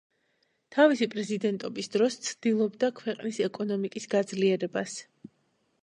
თავისი პრეზიდენტობის დროს ცდილობდა ქვეყნის ეკონომიკის გაძლიერებას.